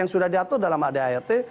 yang sudah diatur dalam adart